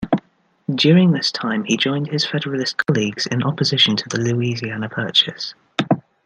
During this time he joined his Federalist colleagues in opposition to the Louisiana Purchase.